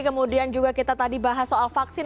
kemudian juga kita tadi bahas soal vaksin